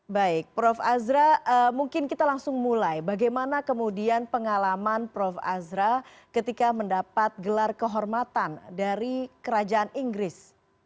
baik prof azra mungkin kita langsung mulai bagaimana kemudian pengalaman prof azra ketika mendapat gelar kehormatan dari kerajaan inggris